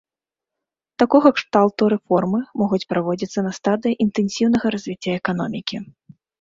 Такога кшталту рэформы могуць праводзіцца на стадыі інтэнсіўнага развіцця эканомікі.